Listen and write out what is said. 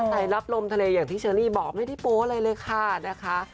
รับลมทะเลอย่างที่เชอรี่บอกไม่ได้โป๊อะไรเลยค่ะนะคะ